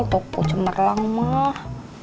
toko cemerlang mah